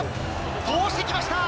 通してきました。